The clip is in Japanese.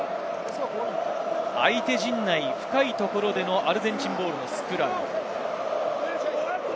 相手陣内、深いところでのアルゼンチンボールのスクラム。